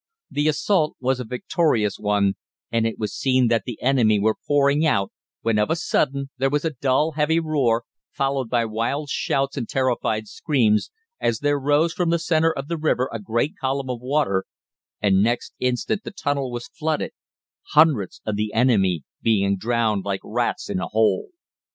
The assault was a victorious one, and it was seen that the enemy were pouring out, when, of a sudden, there was a dull, heavy roar, followed by wild shouts and terrified screams, as there rose from the centre of the river a great column of water, and next instant the tunnel was flooded, hundreds of the enemy being drowned like rats in a hole.